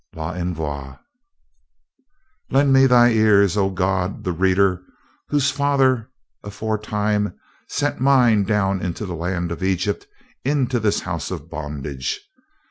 L'ENVOI Lend me thine ears, O God the Reader, whose Fathers aforetime sent mine down into the land of Egypt, into this House of Bondage.